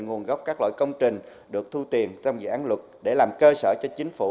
nguồn gốc các loại công trình được thu tiền trong dự án luật để làm cơ sở cho chính phủ